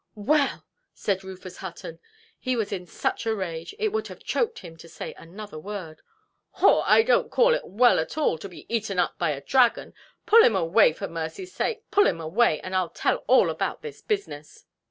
"Well"! said Rufus Hutton. He was in such a rage, it would have choked him to say another word. "Haw! I donʼt call it well at all to be eaten up by a dragon. Pull him away for mercyʼs sake, pull him away! and Iʼll tell all about this business".